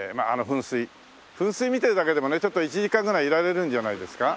噴水見てるだけでもねちょっと１時間ぐらいいられるんじゃないですか？